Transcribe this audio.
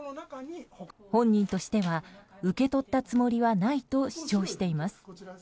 本人としては受け取ったつもりはないと主張しています。